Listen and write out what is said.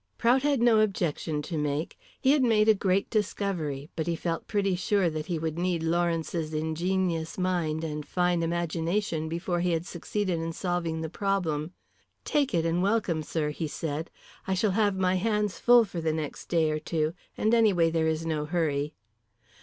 Prout had no objection to make. He had made a great discovery, but he felt pretty sure that he would need Lawrence's ingenious mind and fine imagination before he had succeeded in solving the problem. "Take it, and welcome, sir," he said. "I shall have my hands full for the next day or two, and anyway there is no hurry."